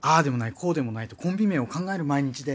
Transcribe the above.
こうでもないとコンビ名を考える毎日で。